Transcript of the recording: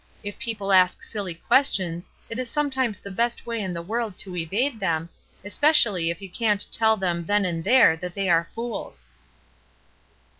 "If people ask silly questions, it is sometimes the best way in the world to evade them, espe cially if you can't tell them then and there that they are fools."